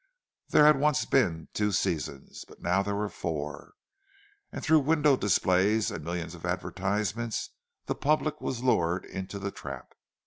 There had once been two seasons, but now there were four; and through window displays and millions of advertisements the public was lured into the trap.